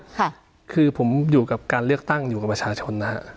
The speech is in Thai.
ค่ะคือผมอยู่กับการเลือกตั้งอยู่กับประชาชนนะฮะ